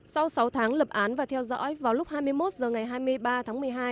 sau sáu tháng lập án và theo dõi vào lúc hai mươi một h ngày hai mươi ba tháng một mươi hai